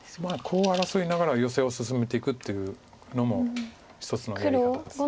コウを争いながらヨセを進めていくというのも一つのやり方です。